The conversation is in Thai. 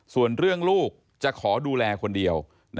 ส่วนเรื่องลูกจะขอดูแลคนเดียว